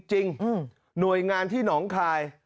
หน่วยงานที่หนองคาย